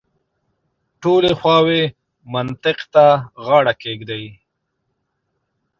ټولې خواوې منطق ته غاړه کېږدي.